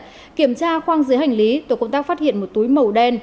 khi kiểm tra khoang dưới hành lý tổ công tác phát hiện một túi màu đen